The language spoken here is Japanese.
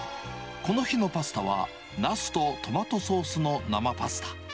この日のパスタは、ナスとトマトソースの生パスタ。